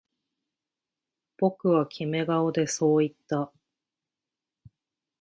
僕はキメ顔でそう言った